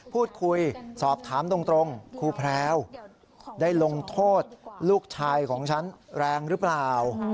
พูดคุยสอบถามตรงครูแพรวได้ลงโทษลูกชายของฉันแรงหรือเปล่า